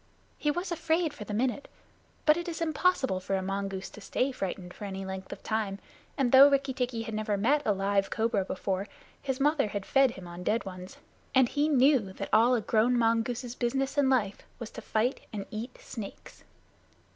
He was afraid for the minute, but it is impossible for a mongoose to stay frightened for any length of time, and though Rikki tikki had never met a live cobra before, his mother had fed him on dead ones, and he knew that all a grown mongoose's business in life was to fight and eat snakes.